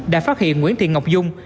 đã phát hiện nguyễn thiện ngọc dung